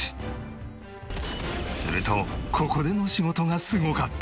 するとここでの仕事がすごかった。